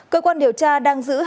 cơ quan điều tra đang giữ